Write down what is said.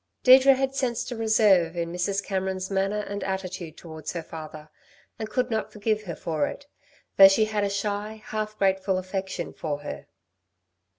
Deirdre had sensed a reserve in Mrs. Cameron's manner and attitude towards her father, and could not forgive her for it, though she had a shy, half grateful affection for her.